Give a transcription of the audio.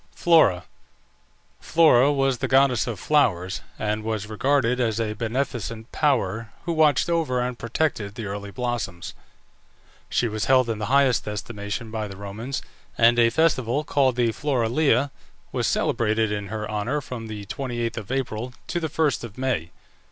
FLORA. Flora was the goddess of flowers, and was regarded as a beneficent power, who watched over and protected the early blossoms. She was held in the highest estimation by the Romans, and a festival, called the Floralia, was celebrated in her honour from the 28th of April to the 1st of May.